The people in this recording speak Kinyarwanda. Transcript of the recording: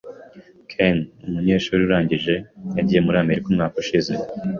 Ken, umunyeshuri urangije, yagiye muri Amerika umwaka ushize.